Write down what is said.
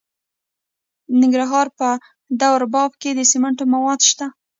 د ننګرهار په دور بابا کې د سمنټو مواد شته.